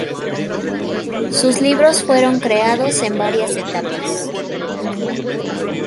Sus libros fueron creados en varias etapas.